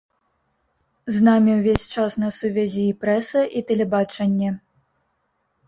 З намі ўвесь час на сувязі і прэса, і тэлебачанне.